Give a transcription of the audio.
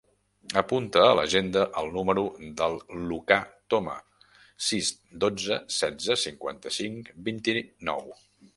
Apunta a l'agenda el número del Lucà Toma: sis, dotze, setze, cinquanta-cinc, vint-i-nou.